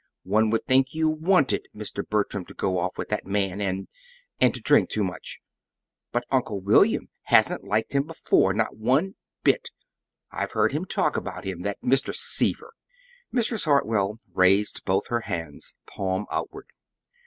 One would think you WANTED Mr. Bertram to go off with that man and and drink too much. But Uncle William hasn't liked him before, not one bit! I've heard him talk about him that Mr. Seaver." Mrs. Hartwell raised both her hands, palms outward.